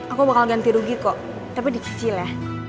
aku bakal ganti rugi kok tapi dicicil ya